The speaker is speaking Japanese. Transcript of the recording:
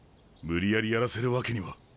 無理やりやらせるわけには。